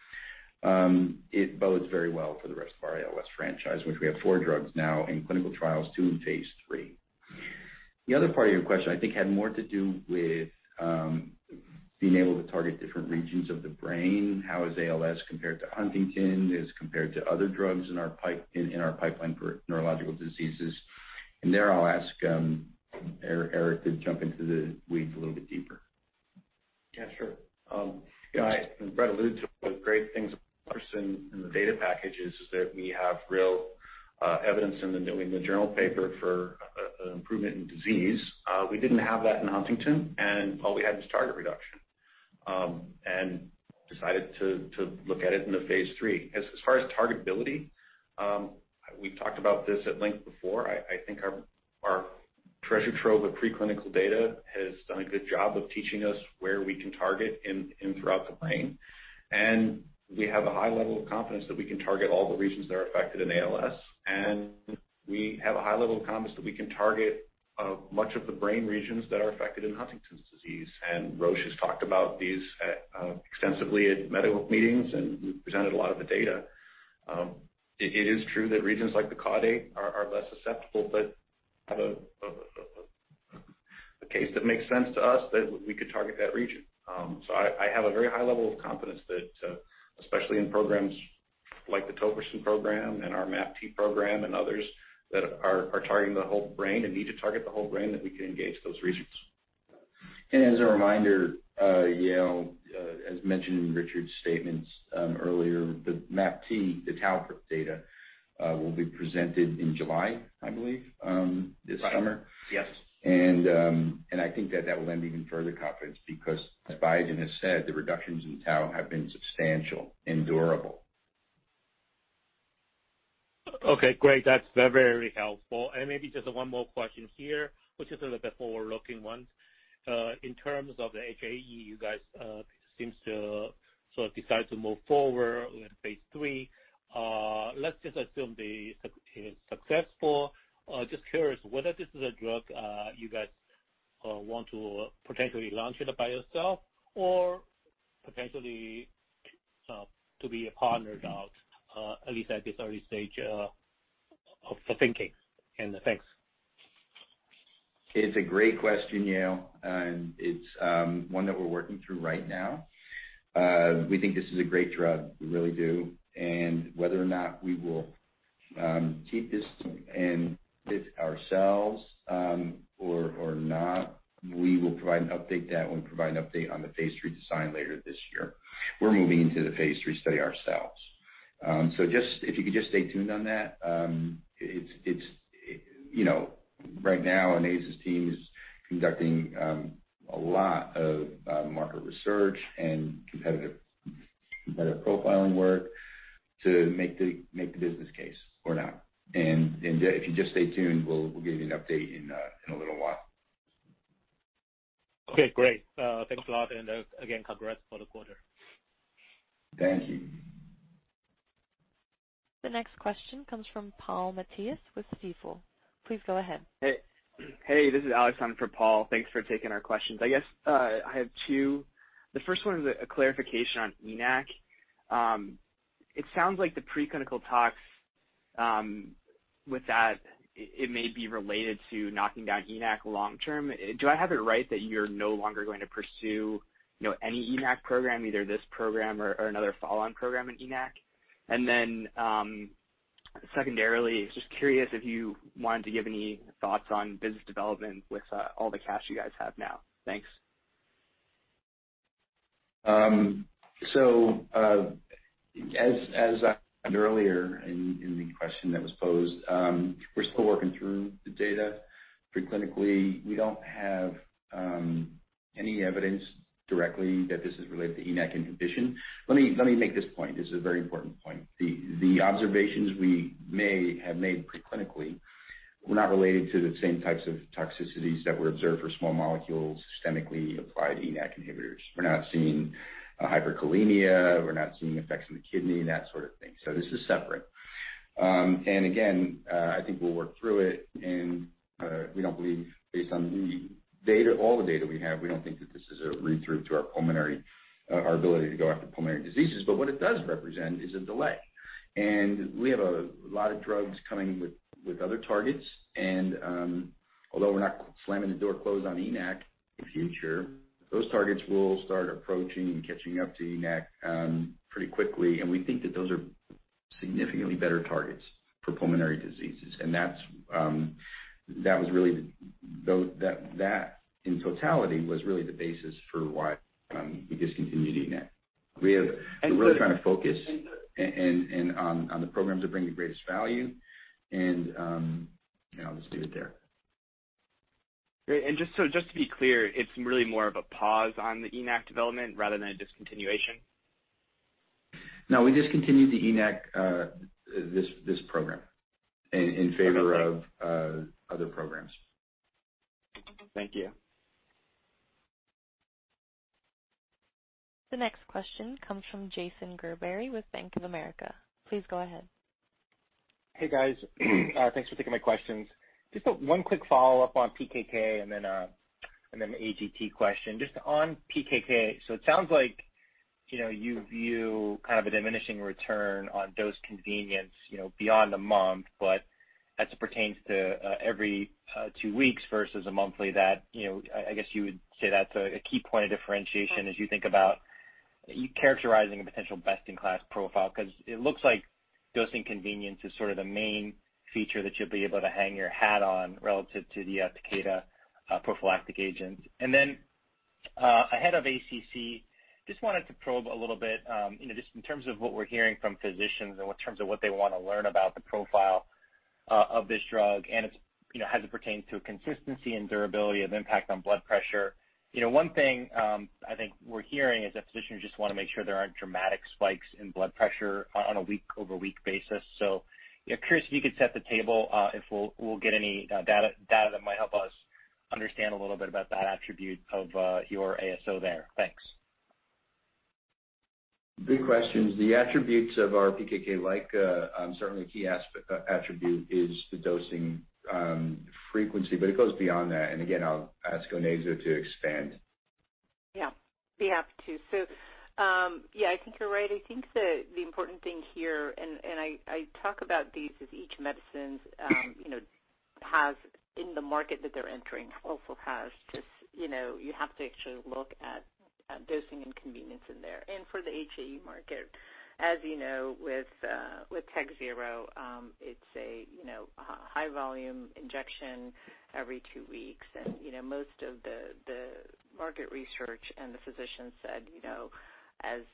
It bodes very well for the rest of our ALS franchise, which we have four drugs now in clinical trials, two in phase III. The other part of your question, I think, had more to do with being able to target different regions of the brain. How is ALS compared to Huntington, as compared to other drugs in our pipeline for neurological diseases? There, I'll ask Eric to jump into the weeds a little bit deeper. Yeah, sure. Brett alluded to one of the great things about tofersen in the data package is that we have real evidence in the New England Journal paper for an improvement in disease. We didn't have that in Huntington, all we had was target reduction. Decided to look at it in the phase III. As far as targetability, we've talked about this at length before. I think our treasure trove of preclinical data has done a good job of teaching us where we can target in throughout the brain. We have a high level of confidence that we can target all the regions that are affected in ALS, and we have a high level of confidence that we can target much of the brain regions that are affected in Huntington's disease. Roche has talked about these extensively at medical meetings, and we've presented a lot of the data. It is true that regions like the caudate are less susceptible, but have a case that makes sense to us that we could target that region. I have a very high level of confidence that, especially in programs like the tofersen program and our MAPT program and others that are targeting the whole brain and need to target the whole brain, that we can engage those regions. As a reminder, Yale, as mentioned in Richard's statements earlier, the MAPT, the tau data, will be presented in July, I believe, this summer. Yes. I think that that will lend even further confidence because, as Biogen has said, the reductions in tau have been substantial and durable. Okay, great. That's very helpful. Maybe just one more question here, which is a little bit forward-looking one. In terms of the HAE, you guys seem to decide to move forward with phase III. Let's just assume it is successful. Just curious whether this is a drug you guys want to potentially launch it by yourself or potentially to be a partner of, at least at this early stage of the thinking. Thanks. It's a great question, Yale Jen, and it's one that we're working through right now. We think this is a great drug, we really do. Whether or not we will keep this and fit ourselves or not, we will provide an update on that when we provide an update on the phase III design later this year. We're moving into the phase III study ourselves. If you could just stay tuned on that. Right now, Onaiza's team is conducting a lot of market research and competitive profiling work to make the business case or not. If you just stay tuned, we'll give you an update in a little while. Okay, great. Thanks a lot. Again, congrats for the quarter. Thank you. The next question comes from Paul Matteis with Stifel. Please go ahead. Hey, this is Alex for Paul. Thanks for taking our questions. I guess I have two. The first one is a clarification on ENaC. It sounds like the preclinical talks with that it may be related to knocking down ENaC long term. Do I have it right that you're no longer going to pursue any ENaC program, either this program or another follow-on program in ENaC? Secondarily, just curious if you wanted to give any thoughts on business development with all the cash you guys have now. Thanks. As I said earlier in the question that was posed, we're still working through the data pre-clinically. We don't have any evidence directly that this is related to ENaC inhibition. Let me make this point. This is a very important point. The observations we may have made pre-clinically were not related to the same types of toxicities that were observed for small molecules, systemically applied ENaC inhibitors. We're not seeing hyperkalemia, we're not seeing effects on the kidney, that sort of thing. This is separate. Again, I think we'll work through it and we don't believe based on all the data we have, we don't think that this is a read-through to our ability to go after pulmonary diseases, but what it does represent is a delay. We have a lot of drugs coming with other targets and although we're not slamming the door closed on ENaC in the future, those targets will start approaching and catching up to ENaC pretty quickly and we think that those are significantly better targets for pulmonary diseases. That in totality was really the basis for why we discontinued ENaC. We're really trying to focus in on the programs that bring the greatest value and I'll just leave it there. Great. Just to be clear, it's really more of a pause on the ENaC development rather than a discontinuation? No, we discontinued the ENaC, this program in favor of other programs. Thank you. The next question comes from Jason Gerberry with Bank of America. Please go ahead. Hey, guys. Thanks for taking my questions. Just one quick follow-up on PKK and then an AGT question. Just on PKK. It sounds like you view a diminishing return on dose convenience, beyond a month, but as it pertains to every two weeks versus a monthly that, I guess you would say that's a key point of differentiation as you think about characterizing a potential best-in-class profile, because it looks like dosing convenience is sort of the main feature that you'll be able to hang your hat on relative to the Takeda prophylactic agent. Ahead of ACC, just wanted to probe a little bit, just in terms of what we're hearing from physicians and what they want to learn about the profile of this drug and as it pertains to consistency and durability of impact on blood pressure. One thing I think we're hearing is that physicians just want to make sure there aren't dramatic spikes in blood pressure on a week-over-week basis. Curious if you could set the table if we'll get any data that might help us understand a little bit about that attribute of your ASO there. Thanks. Good questions. The attributes of our PKK-like, certainly a key attribute is the dosing frequency, but it goes beyond that. Again, I'll ask Onaiza to expand. Yeah. We have to. I think you're right. I think the important thing here, I talk about these as each medicine has, in the market that they're entering, also has just, you have to actually look at dosing and convenience in there. For the HAE market, as you know, with TAKHZYRO, it's a high volume injection every two weeks. Most of the market research and the physicians said,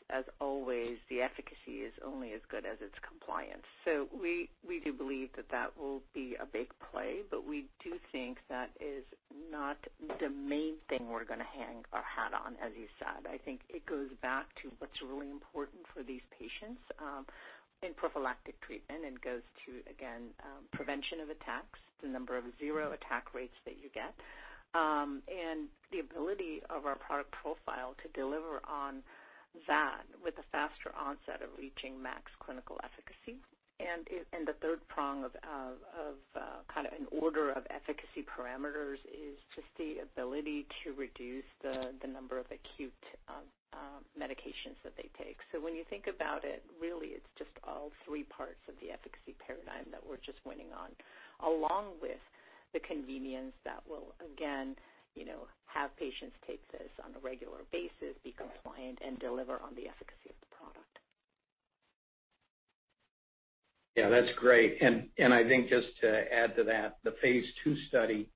as always, the efficacy is only as good as its compliance. We do believe that that will be a big play, but we do think that is not the main thing we're going to hang our hat on, as you said. I think it goes back to what's really important for these patients in prophylactic treatment and goes to, again, prevention of attacks, the number of zero attack rates that you get, and the ability of our product profile to deliver on that with a faster onset of reaching max clinical efficacy. The third prong of kind of an order of efficacy parameters is just the ability to reduce the number of acute medications that they take. When you think about it, really, it's just all three parts of the efficacy paradigm that we're just winning on, along with the convenience that will, again, have patients take this on a regular basis, be compliant, and deliver on the efficacy of the product. Yeah, that's great. I think just to add to that, the phase II study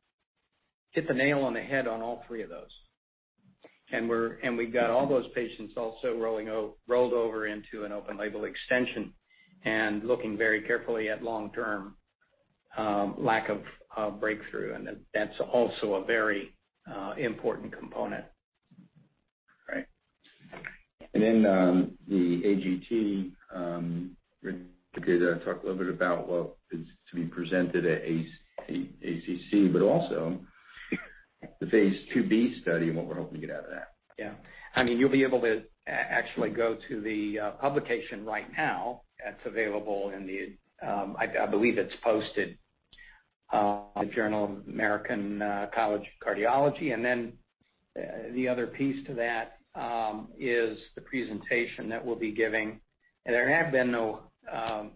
hit the nail on the head on all three of those. We've got all those patients also rolled over into an open-label extension and looking very carefully at long-term lack of breakthrough, and that's also a very important component. Right. The AGT data, talk a little bit about what is to be presented at ACC, but also the phase II-B study and what we're hoping to get out of that. You'll be able to actually go to the publication right now that's available in the, I believe it's posted, the Journal of the American College of Cardiology. The other piece to that is the presentation that we'll be giving. There have been no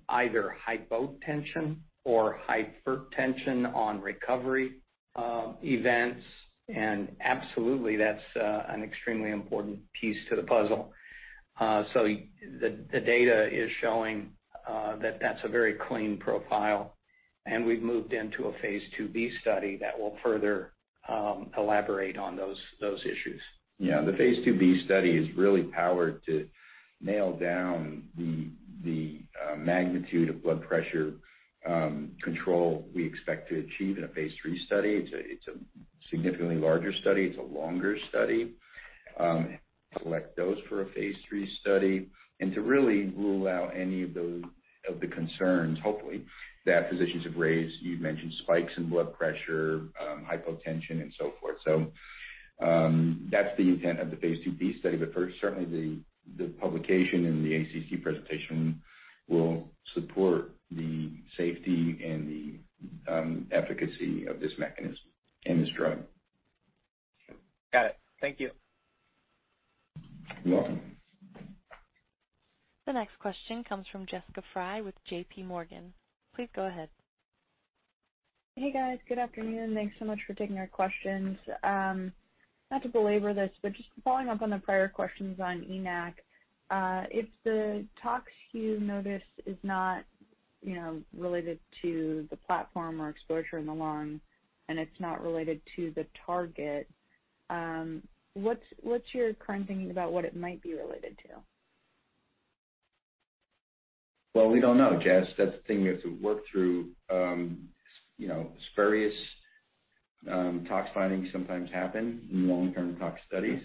either hypotension or hypertension on recovery events. Absolutely, that's an extremely important piece to the puzzle. The data is showing that that's a very clean profile, and we've moved into a phase II-B study that will further elaborate on those issues. The phase II-B study is really powered to nail down the magnitude of blood pressure control we expect to achieve in a phase III study. It's a significantly larger study. It's a longer study. Collect those for a phase III study and to really rule out any of the concerns, hopefully, that physicians have raised. You've mentioned spikes in blood pressure, hypotension, and so forth. That's the intent of the phase II-B study. First, certainly the publication and the ACC Presentation will support the safety and the efficacy of this mechanism and this drug. Got it. Thank you. You're welcome. The next question comes from Jessica Fye with JPMorgan. Please go ahead. Hey, guys. Good afternoon. Thanks so much for taking our questions. Not to belabor this, just following up on the prior questions on ENaC. If the tox you noticed is not related to the platform or exposure in the lung and it's not related to the target, what's your current thinking about what it might be related to? Well, we don't know, Jess. That's the thing we have to work through. Spurious tox findings sometimes happen in long-term tox studies.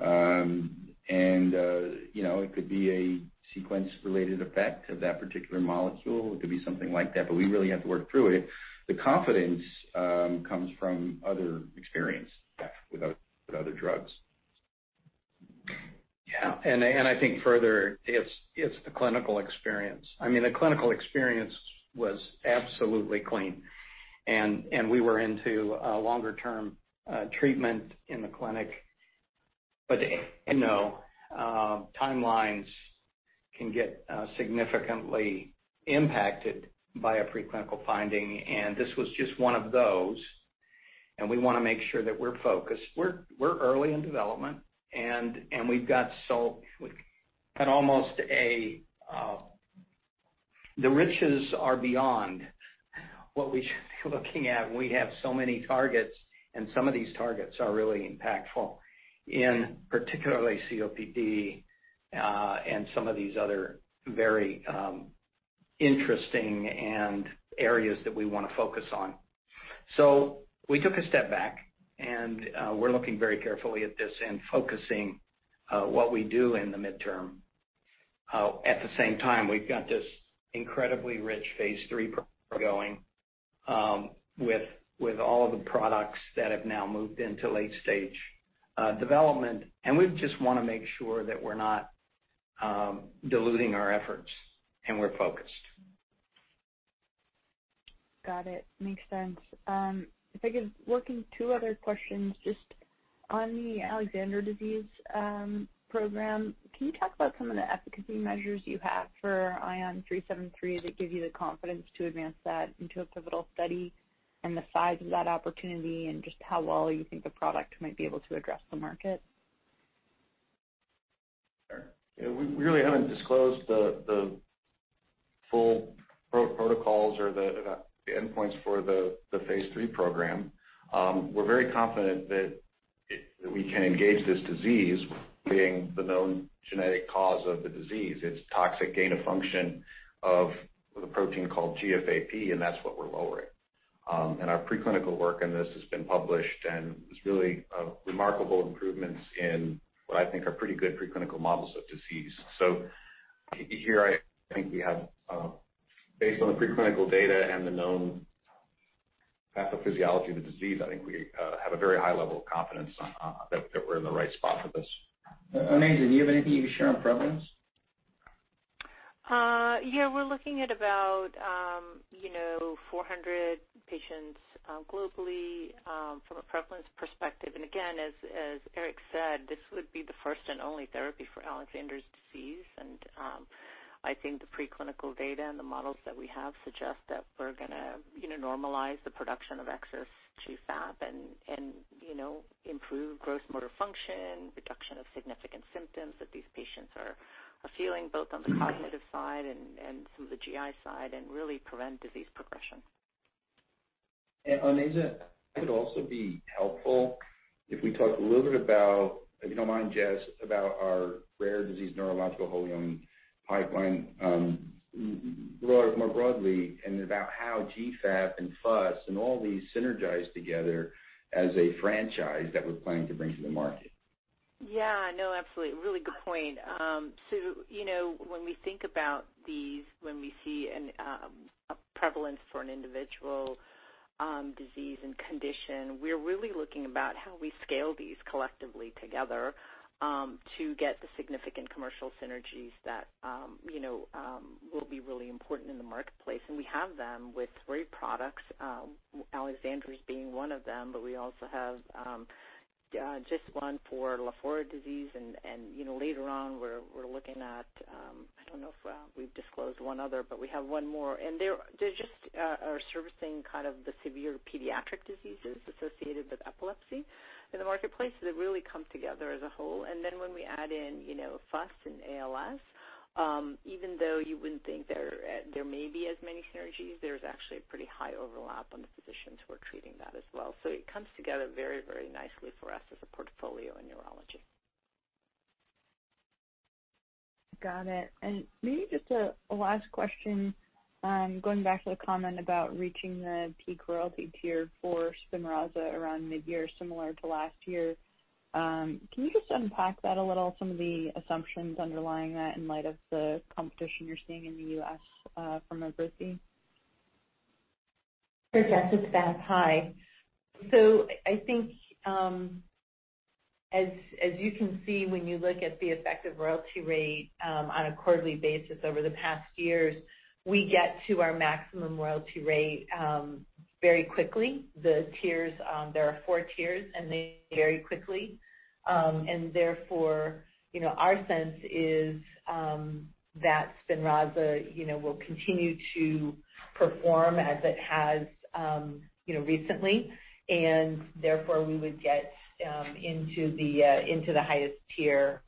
It could be a sequence-related effect of that particular molecule. It could be something like that, we really have to work through it. The confidence comes from other experience with other drugs. Yeah. I think further, it's the clinical experience. The clinical experience was absolutely clean, and we were into a longer-term treatment in the clinic. Timelines can get significantly impacted by a pre-clinical finding, and this was just one of those, and we want to make sure that we're focused. We're early in development. The riches are beyond what we should be looking at, and we have so many targets, and some of these targets are really impactful in particularly COPD, and some of these other very interesting and areas that we want to focus on. We took a step back, and we're looking very carefully at this and focusing what we do in the midterm. At the same time, we've got this incredibly rich phase III program going with all of the products that have now moved into late-stage development, and we just want to make sure that we're not diluting our efforts and we're focused. Got it. Makes sense. If I could work in two other questions, just on the Alexander disease program, can you talk about some of the efficacy measures you have for ION373 that give you the confidence to advance that into a pivotal study, and the size of that opportunity and just how well you think the product might be able to address the market? Sure. Yeah, we really haven't disclosed the full protocols or the endpoints for the phase III program. We're very confident that we can engage this disease, being the known genetic cause of the disease. It's toxic gain of function of the protein called GFAP, that's what we're lowering. Our preclinical work on this has been published, there's really remarkable improvements in what I think are pretty good preclinical models of disease. Here, I think based on the preclinical data and the known pathophysiology of the disease, I think we have a very high level of confidence that we're in the right spot for this. Onaiza, do you have anything you can share on prevalence? Yeah, we're looking at about 400 patients globally from a prevalence perspective. Again, as Eric said, this would be the first and only therapy for Alexander disease. I think the preclinical data and the models that we have suggest that we're going to normalize the production of excess GFAP and improve gross motor function, reduction of significant symptoms that these patients are feeling, both on the cognitive side and some of the GI side, and really prevent disease progression. Onaiza, I think it'd also be helpful if we talk a little bit about, if you don't mind, Jess, about our rare disease neurological wholly owned pipeline more broadly and about how GFAP and FUS and all these synergize together as a franchise that we're planning to bring to the market. Absolutely. Really good point. When we think about these, when we see a prevalence for an individual disease and condition, we're really looking about how we scale these collectively together to get the significant commercial synergies that will be really important in the marketplace. We have them with three products, Alexander being one of them, but we also have just one for Lafora disease, and later on, we're looking at, I don't know if we've disclosed one other, but we have one more, and they just are servicing the severe pediatric diseases associated with epilepsy in the marketplace. They really come together as a whole. When we add in FUS and ALS, even though you wouldn't think there may be as many synergies, there's actually a pretty high overlap on the physicians who are treating that as well. It comes together very nicely for us as a portfolio in neurology. Got it. Maybe just a last question, going back to the comment about reaching the peak royalty tier for SPINRAZA around mid-year, similar to last year. Can you just unpack that a little, some of the assumptions underlying that in light of the competition you're seeing in the U.S. from Evrysdi? Sure, Jess, it's Beth. Hi. I think, as you can see when you look at the effective royalty rate on a quarterly basis over the past years, we get to our maximum royalty rate very quickly. There are four tiers, and they very quickly. Therefore, our sense is that SPINRAZA will continue to perform as it has recently, and therefore we would get into the highest tier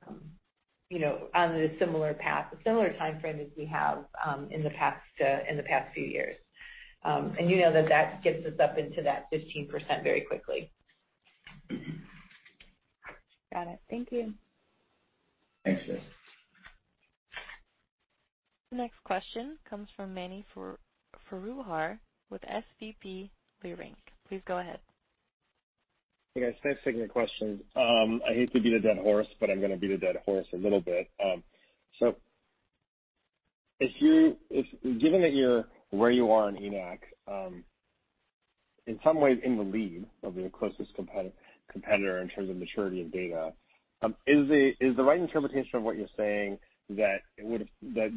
on a similar path, a similar timeframe as we have in the past few years. You know that gets us up into that 15% very quickly. Got it. Thank you. Thanks, Jess. The next question comes from Mani Foroohar with SVB Leerink. Please go ahead. Hey, guys. Thanks for taking the question. I hate to beat a dead horse, I'm going to beat a dead horse a little bit. Given that you're where you are on ENaC, in some ways in the lead of your closest competitor in terms of maturity of data, is the right interpretation of what you're saying that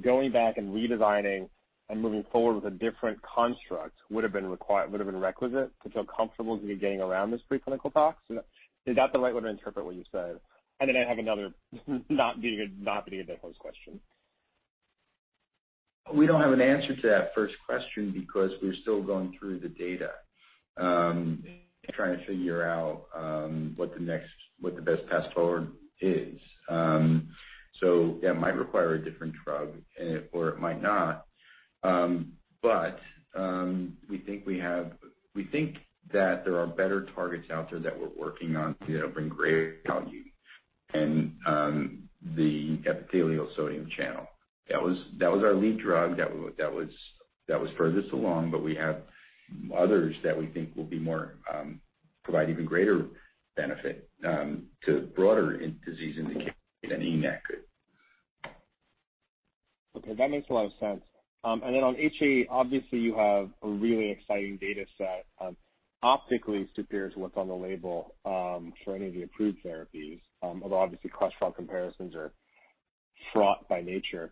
going back and redesigning and moving forward with a different construct would've been requisite to feel comfortable to be getting around this preclinical tox? Is that the right way to interpret what you said? Then I have another not beat a dead horse question. We don't have an answer to that first question because we're still going through the data, trying to figure out what the best path forward is. Yeah, it might require a different drug or it might not. We think that there are better targets out there that we're working on that'll bring greater value than the epithelial sodium channel. That was our lead drug that was furthest along, but we have others that we think will provide even greater benefit to broader disease indication than ENaC could. Okay. That makes a lot of sense. Then on HAE, obviously you have a really exciting data set, optically superior to what's on the label for any of the approved therapies. Although obviously cross-drug comparisons are fraught by nature.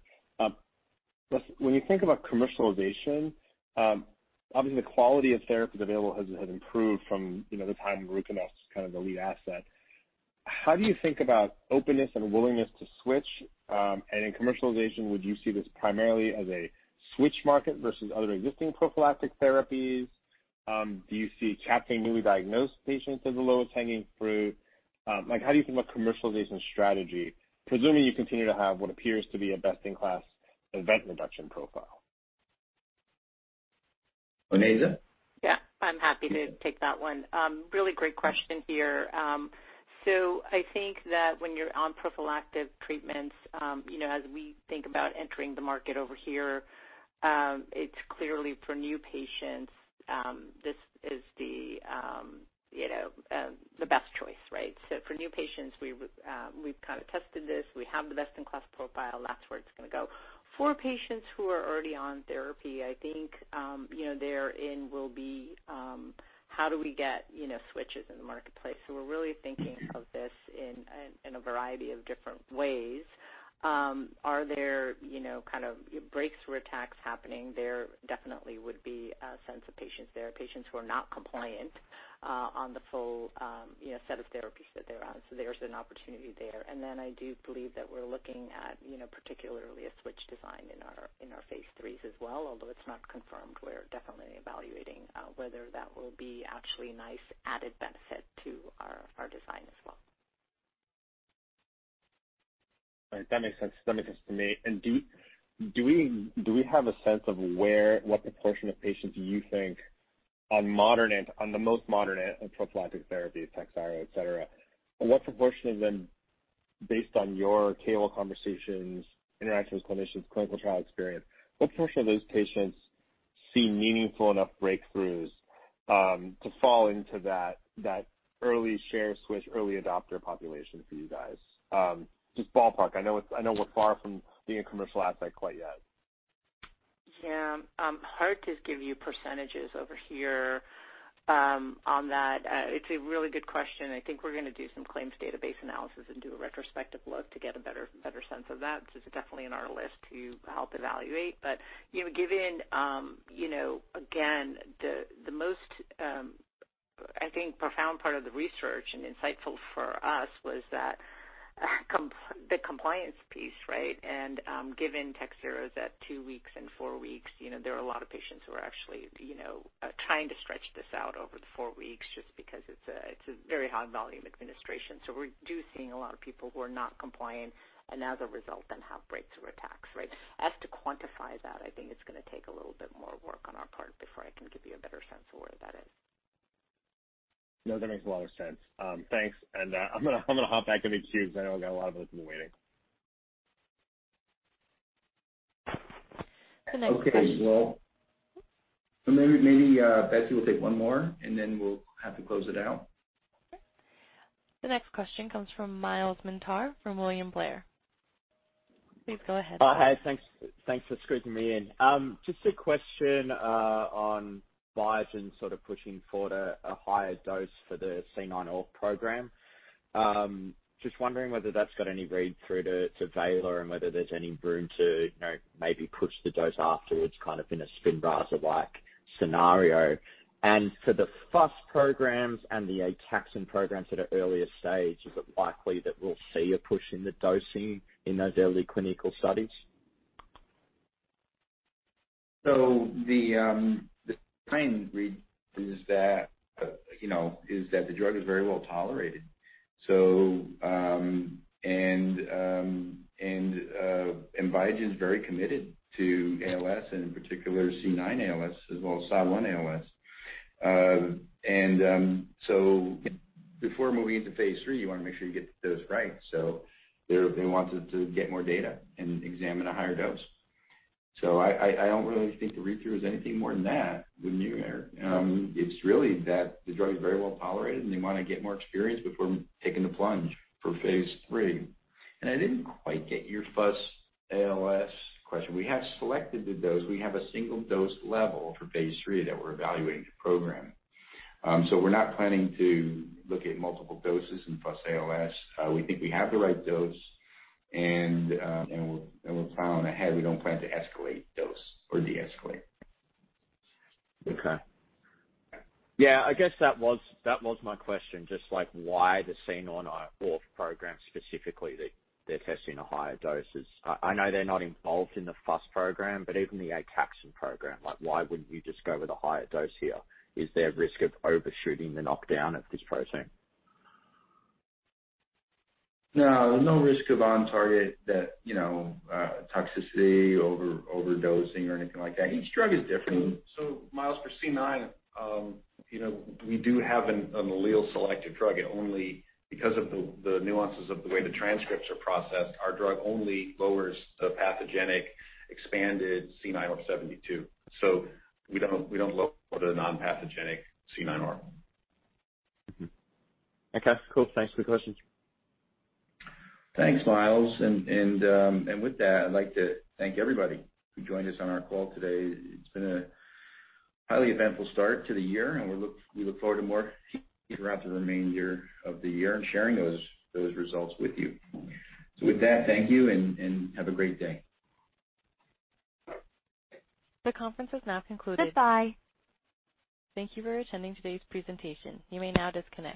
When you think about commercialization, obviously the quality of therapies available has improved from the time RUCONEST kind of the lead asset. How do you think about openness and willingness to switch? In commercialization, would you see this primarily as a switch market versus other existing prophylactic therapies? Do you see capturing newly diagnosed patients as the lowest hanging fruit? How do you think about commercialization strategy, presuming you continue to have what appears to be a best-in-class event reduction profile? Onaiza? Yeah. I'm happy to take that one. Really great question here. I think that when you're on prophylactic treatments, as we think about entering the market over here, it's clearly for new patients. This is the best choice, right? For new patients, we've kind of tested this. We have the best-in-class profile. That's where it's going to go. For patients who are already on therapy, I think therein will be how do we get switches in the marketplace. We're really thinking of this in a variety of different ways. Are there kind of breakthrough attacks happening? There definitely would be a sense of patients there, patients who are not compliant on the full set of therapies that they're on. There's an opportunity there. I do believe that we're looking at particularly a switch design in our phase III as well, although it's not confirmed, we're definitely evaluating whether that will be actually a nice added benefit to our design as well. Right. That makes sense to me. Do we have a sense of what proportion of patients do you think on the most modern prophylactic therapies, TAKHZYRO, et cetera, what proportion of them, based on your KOL conversations, interactions with clinicians, clinical trial experience, what proportion of those patients see meaningful enough breakthroughs to fall into that early share switch, early adopter population for you guys? Just ballpark. I know we're far from being a commercial asset quite yet. Yeah. Hard to give you percentages over here on that. It's a really good question. I think we're going to do some claims database analysis and do a retrospective look to get a better sense of that. This is definitely on our list to help evaluate. Given, again, the most, I think, profound part of the research and insightful for us was that the compliance piece, right? Given TAKHZYRO is at two weeks and four weeks, there are a lot of patients who are actually trying to stretch this out over the four weeks just because it's a very high volume administration. We're seeing a lot of people who are not compliant, and as a result then have breakthrough attacks, right? As to quantify that, I think it's going to take a little bit more work on our part before I can give you a better sense of where that is. No, that makes a lot of sense. Thanks. I'm going to hop back in the queue because I know I've got a lot of others been waiting. The next question. Okay. Well, maybe Betsy will take one more, and then we'll have to close it out. Okay. The next question comes from Myles Minter from William Blair. Please go ahead. Hi. Thanks for squeezing me in. Just a question on Biogen sort of pushing forward a higher dose for the C9orf program. Just wondering whether that's got any read-through to Vega and whether there's any room to maybe push the dose afterwards, kind of in a SPINRAZA-like scenario. For the FUS programs and the ATAXIN programs at an earlier stage, is it likely that we'll see a push in the dosing in those early clinical studies? The trend read is that the drug is very well tolerated. Biogen's very committed to ALS and in particular C9-ALS as well as SOD1-ALS. Before moving into phase III, you want to make sure you get the dose right. They wanted to get more data and examine a higher dose. I don't really think the read-through is anything more than that. It's really that the drug is very well tolerated, and they want to get more experience before taking the plunge for phase III. I didn't quite get your FUS-ALS question. We have selected the dose. We have a single dose level for phase III that we're evaluating to program. We're not planning to look at multiple doses in FUS-ALS. We think we have the right dose, and we'll plan on ahead. We don't plan to escalate dose or deescalate. Okay. Yeah, I guess that was my question, just like why the C9orf program specifically that they're testing a higher doses. I know they're not involved in the FUS program, but even the ATAXIN program, like why wouldn't you just go with a higher dose here? Is there a risk of overshooting the knockdown of this protein? No. No risk of on-target toxicity, overdosing or anything like that. Each drug is different. Myles, for C9, we do have an allele selective drug. Because of the nuances of the way the transcripts are processed, our drug only lowers the pathogenic expanded C9orf72. We don't lower the non-pathogenic C9orf. Okay. Cool. Thanks for the question. Thanks, Myles. With that, I'd like to thank everybody who joined us on our call today. It's been a highly eventful start to the year, and we look forward to more throughout the remainder of the year and sharing those results with you. With that, thank you, and have a great day. The conference is now concluded. Goodbye. Thank you for attending today's presentation. You may now disconnect.